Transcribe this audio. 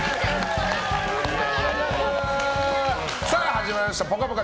始まりました「ぽかぽか」